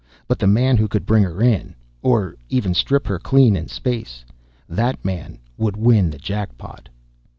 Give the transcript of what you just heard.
But the man who could bring her in or even strip her clean in space that man would win the jackpot.